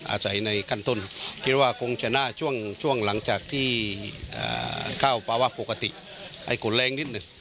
อาศัยในขั้นต้นคิดว่าคงชนะช่วงหลังจากที่เข้าภาวะปกติไอ้ขนแรงนิดหนึ่ง